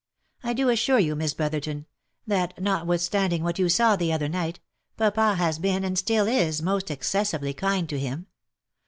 I do assure you, Miss Brother ton, that notwithstanding what you saw the other night, papa has been, and still is, most excessively kind to him.